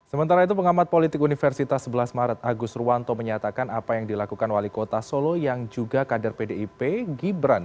sementara itu pengamat politik universitas sebelas maret agus ruwanto menyatakan apa yang dilakukan wali kota solo yang juga kader pdip gibran